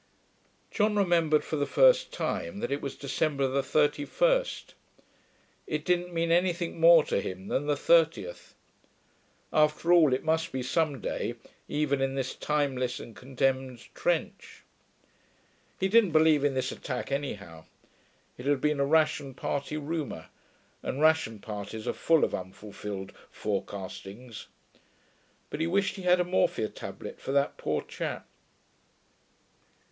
John remembered, for the first time, that it was December the 31st. It didn't mean anything more to him than the 30th. After all, it must be some day, even in this timeless and condemned trench. He didn't believe in this attack, anyhow. It had been a ration party rumour, and ration parties are full of unfulfilled forecastings. But he wished he had a morphia tablet for that poor chap....